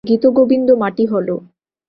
গীতগোবিন্দ মাটি হল।